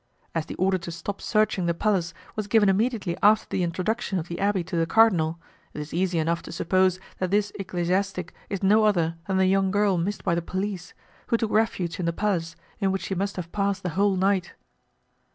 As the order to stop searching the palace was given immediately after the introduction of the abbé to the cardinal, it is easy enough to suppose that this ecclesiastic is no other than the young girl missed by the police, who took refuge in the palace in which she must have passed the whole night."